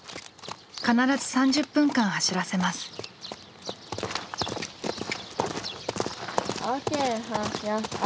必ず３０分間走らせます。ＯＫ。